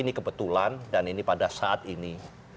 ini kebetulan dan ini pada saat ini